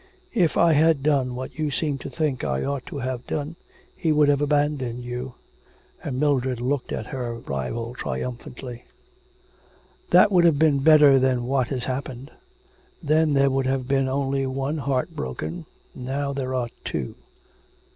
'If I had done what you seem to think I ought to have done, he would have abandoned you.' And Mildred looked at her rival triumphantly. 'That would have been better than what has happened. Then there would have been only one heart broken, now there are two.'